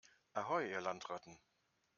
Ahoi, ihr Landratten!